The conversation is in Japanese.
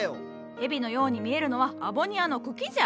蛇のように見えるのはアボニアの茎じゃ。